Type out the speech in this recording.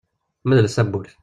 Medlet tawwurt.